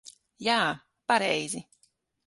Jā, pareizi.